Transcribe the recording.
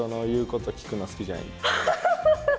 ハハハハ！